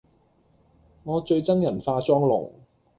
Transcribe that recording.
我最憎人化妝濃